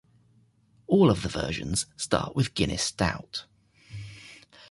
All of the versions start with Guinness Stout.